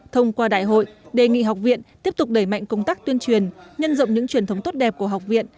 thông qua đại hội đề nghị học viện tiếp tục đẩy mạnh công tác tuyên truyền nhân rộng những truyền thống tốt đẹp của học viện